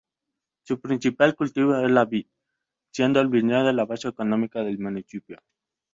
Su principal cultivo es la vid, siendo el viñedo la base económica del municipio.